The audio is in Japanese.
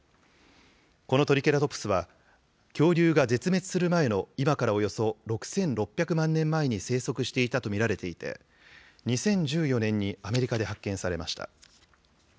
このトリケラトプスは、恐竜が絶滅する前の今からおよそ６６００万年前に生息していたと見られていて、２０１４年にアメリカで発見されました。